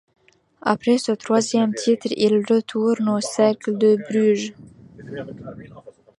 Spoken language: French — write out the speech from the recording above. Après ce troisième titre, il retourne au Cercle de Bruges.